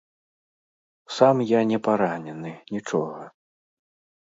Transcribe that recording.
Сам я не паранены, нічога.